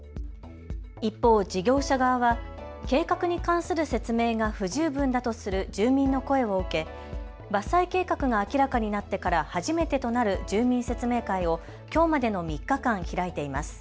一方、事業者側は計画に関する説明が不十分だとする住民の声を受け、伐採計画が明らかになってから初めてとなる住民説明会をきょうまでの３日間開いています。